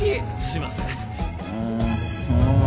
すいません